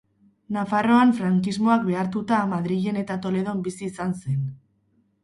Nafarroan, Frankismoak behartuta Madrilen eta Toledon bizi izan zen.